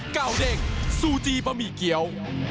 เก่าเด้งซูจีบะหมี่เกี้ยว